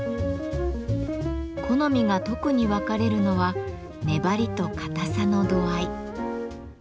好みが特に分かれるのは「粘り」と「堅さ」の度合い。